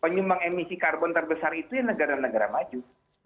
penyumbang emisi karbon terbesar itu ya negara negara maju